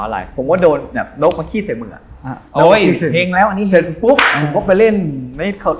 แล้วไปเก็บแล้วนะครับ